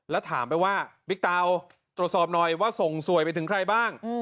แล้วถามไปว่าบิ๊กเตาตรวจสอบหน่อยว่าส่งสวยไปถึงใครบ้าง